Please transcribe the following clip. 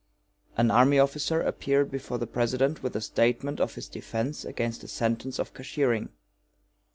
An army officer appeared before the President with a statement of his defense against a sentence of cashiering.